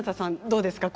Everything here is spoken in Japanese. どうですか。